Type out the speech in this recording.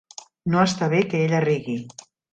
No està bé que ella rigui!